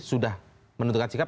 sudah menentukan sikap